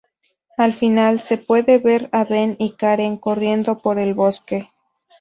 Al final, se puede ver a Ben y Karen corriendo por el bosque.